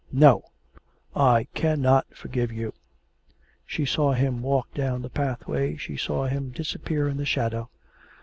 'No, I cannot forgive you.' She saw him walk down the pathway, she saw him disappear in the shadow.